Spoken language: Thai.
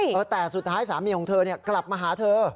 เออแต่สุดท้ายสามีของเธอกลับมาหาเธอ